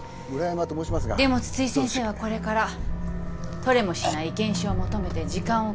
でも津々井先生はこれから取れもしない意見書を求めて時間を空費することになる。